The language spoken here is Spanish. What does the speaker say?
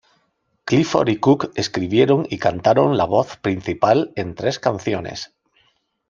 Clifford y Cook escribieron y cantaron la voz principal en tres canciones.